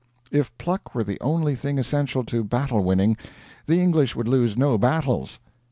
If pluck were the only thing essential to battle winning, the English would lose no battles.